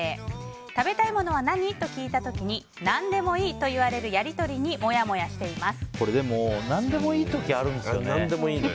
食べたいものは何？と聞いた時に何でもいいと言われるやり取りに何でもいい時あるんですよね。